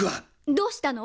どうしたの？